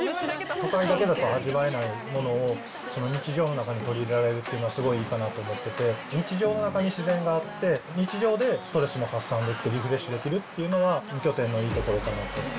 都会だけだと味わえないものを、日常の中で取り入れられるというのは、すごいいいかなと思ってて、日常の中に自然があって、日常でストレスも発散できて、リフレッシュできるっていうのは、２拠点のいいところかなと。